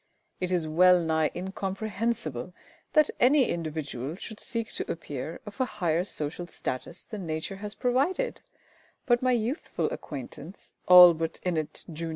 It is well nigh incomprehensible that any individual should seek to appear of a higher social status than Nature has provided; but my youthful acquaintance, ALLBUTT INNETT, Jun.